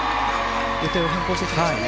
予定を変更してきましたね。